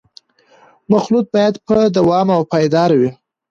مخلوط باید با دوام او پایدار وي